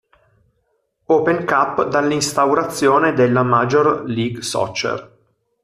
Open Cup dall'instaurazione della Major League Soccer.